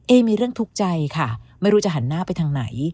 มีเรื่องทุกข์ใจค่ะไม่รู้จะหันหน้าไปทางไหน